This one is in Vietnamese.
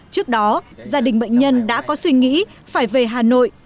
trước đó gia đình bệnh nhân đã có suy nghĩ phải về hà nội